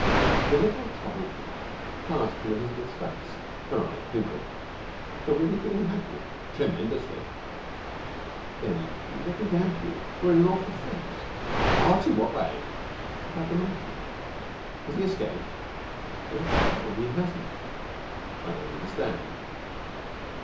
The little troubled look passed from Elizabeth's face. Her eyes twinkled. 'You're really feeling happy?' 'Tremendously.' 'Then let me damp you. We're in an awful fix!' 'What! In what way?' 'About the monkey.' 'Has he escaped?' 'That's the trouble he hasn't.' 'I don't understand.'